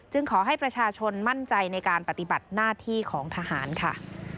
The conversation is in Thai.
ขอให้ประชาชนมั่นใจในการปฏิบัติหน้าที่ของทหารค่ะ